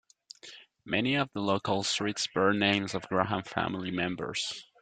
Many of the local streets bear names of Graham family members.